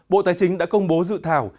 bộ tài chính đã công bố dự thảo